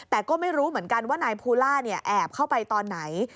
แต่ก็ไม่รู้เหมือนกันว่านายภูล่าแอบเข้าไปตอนไหน